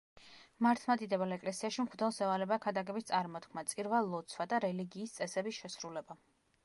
მართლმადიდებელ ეკლესიაში მღვდელს ევალება ქადაგების წარმოთქმა, წირვა-ლოცვა და რელიგიის წესების შესრულება.